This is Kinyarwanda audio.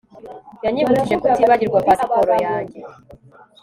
Yanyibukije kutibagirwa pasiporo yanjye